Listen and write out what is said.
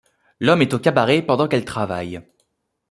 L’homme est au cabaret pendant qu’elle travaille.